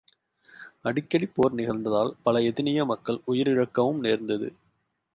அடிக்கடி போர் நிகழ்ந்ததால் பல எதினிய மக்கள் உயிர் இமுக்கவும் நேர்ந்தது.